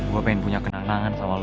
gue pengen punya kenangan soal lo